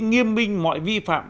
nghiêm minh mọi vi phạm